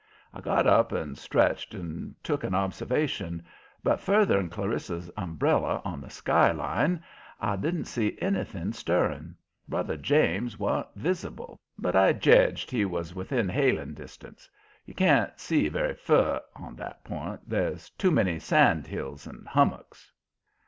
I got up and stretched and took an observation, but further'n Clarissa's umbrella on the skyline, I didn't see anything stirring. Brother James wa'n't visible, but I jedged he was within hailing distance. You can't see very fur on that point, there's too many sand hills and hummocks.